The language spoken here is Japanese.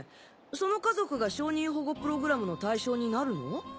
その家族が証人保護プログラムの対象になるの？